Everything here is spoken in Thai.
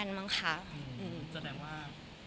แสดงว่าทั้งคู่ก็คิดแล้วแหละว่าคนเนี่ยคือคนที่ใช่